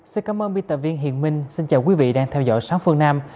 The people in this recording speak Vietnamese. xin cảm ơn biên tập viên hiền minh xin chào quý vị đang theo dõi sáng phương nam